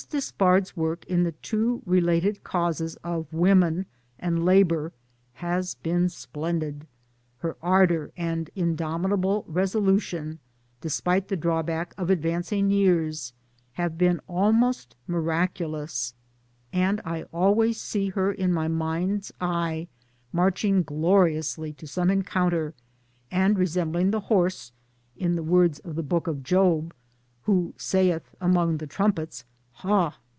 Despard's work in the two related causes of Women and Labour has been splendid. Her ardour and indomitable resolution, despite the drawback of advancing years, have been almost miraculous, and I always see her in my mind's eye marching gloriously to some encounter, and re sembling the horse (in the words of the book of Job) " who saith among the trumpets Ha?!